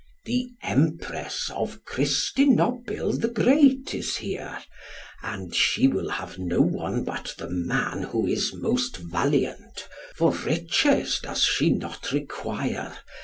The Empress of Cristinobyl the Great is here; and she will have no one but the man who is most valiant; for riches does she not require.